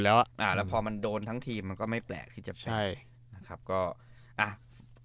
แล้วพอมันโดนทั้งทีมมันก็ไม่แปลกที่จะแพ้